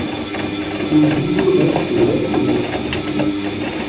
Ses idées restent lettre morte.